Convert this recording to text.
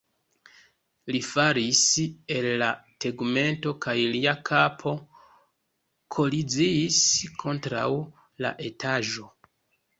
Li falis el la tegmento kaj lia kapo koliziis kontraŭ la etaĝo.